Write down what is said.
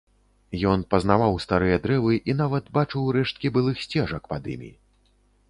Ён пазнаваў старыя дрэвы і нават бачыў рэшткі былых сцежак пад імі.